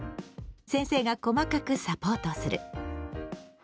先生が細かくサポートする。